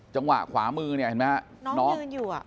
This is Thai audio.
จังหวะขวามือเนี่ย